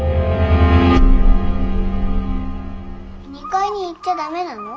２階に行っちゃダメなの？